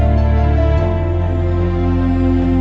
kita sekarang sampai lebih awal